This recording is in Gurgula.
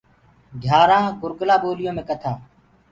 گھيآرآنٚ گُرگُلآ ٻوليو مي ڪٿآ۔